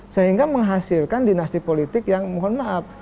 sehingga menghasilkan dinasti politik yang mohon maaf